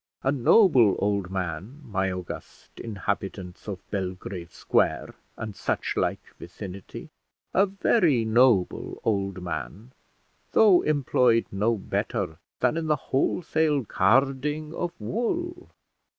A noble old man, my august inhabitants of Belgrave Square and such like vicinity, a very noble old man, though employed no better than in the wholesale carding of wool.